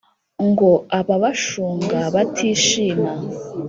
ngo ababashunga batishima,